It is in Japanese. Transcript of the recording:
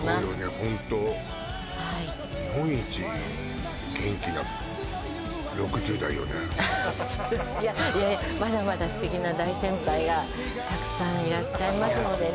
ホントはいいやいやいやまだまだ素敵な大先輩がたくさんいらっしゃいますのでね